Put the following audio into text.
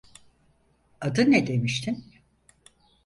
Adın ne demiştin?